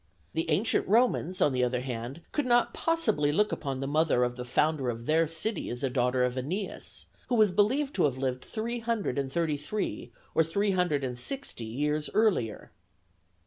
The ancient Romans, on the other hand, could not possibly look upon the mother of the founder of their city as a daughter of Æneas, who was believed to have lived three hundred and thirty three or three hundred and sixty years earlier.